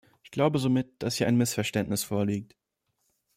Ich glaube somit, dass hier ein Missverständnis vorliegt.